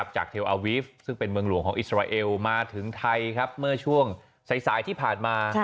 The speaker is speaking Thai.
เทลอาวีฟซึ่งเป็นเมืองหลวงของอิสราเอลมาถึงไทยครับเมื่อช่วงสายที่ผ่านมา